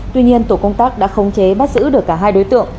tuy nhiên tổ công tác đã khống chế bắt giữ được cả hai đối tượng